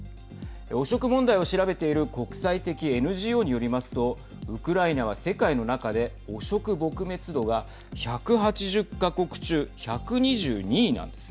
汚職問題を調べている国際的ＮＧＯによりますとウクライナは世界の中で汚職撲滅度が１８０か国中１２２位なんですね。